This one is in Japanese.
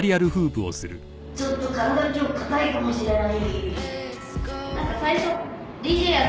ちょっと体今日硬いかもしれない。